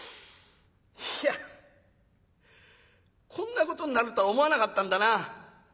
いやこんなことになるとは思わなかったんだな。